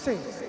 di negara kita